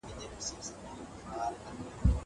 كله كله به سوې دوړي